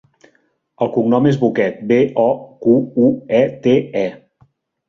El cognom és Boquete: be, o, cu, u, e, te, e.